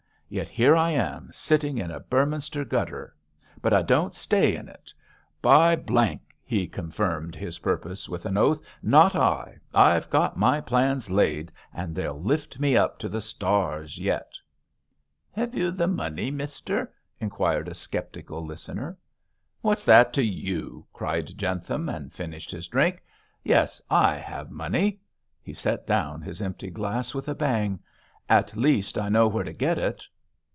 Yet here I am, sitting in a Beorminster gutter, but I don't stay in it. By ,' he confirmed his purpose with an oath, 'not I. I've got my plans laid, and they'll lift me up to the stars yet.' 'Hev you the money, mister?' inquired a sceptical listener. 'What's that to you?' cried Jentham, and finished his drink. 'Yes, I have money!' He set down his empty glass with a bang. 'At least I know where to get it.